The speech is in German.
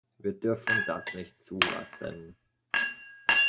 Wir dürfen das nicht zulassen.